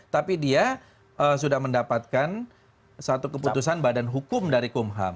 tapi dia sudah mendapatkan satu keputusan badan hukum dari kumham